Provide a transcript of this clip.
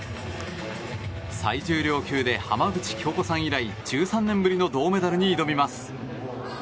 最重量級で浜口京子さん以来１３年ぶりの銅メダルに挑みます。